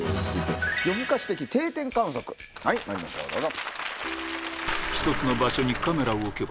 まいりましょうどうぞ。